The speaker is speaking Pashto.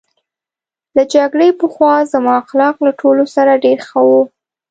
له جګړې پخوا زما اخلاق له ټولو سره ډېر ښه وو